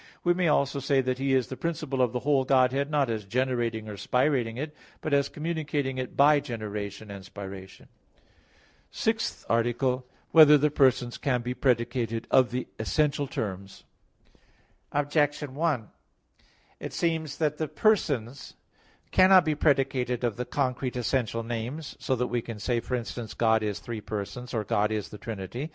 We may also say that He is the principle of the whole Godhead; not as generating or spirating it, but as communicating it by generation and spiration. _______________________ SIXTH ARTICLE [I, Q. 39, Art. 6] Whether the Persons Can Be Predicated of the Essential Terms? Objection 1: It would seem that the persons cannot be predicated of the concrete essential names; so that we can say for instance, "God is three persons"; or "God is the Trinity."